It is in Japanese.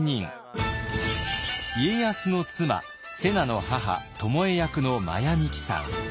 家康の妻瀬名の母巴役の真矢ミキさん。